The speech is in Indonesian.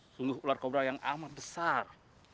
sungguh ular kobra yang amat besar